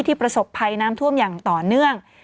ประสบภัยน้ำท่วมอย่างต่อเนื่อง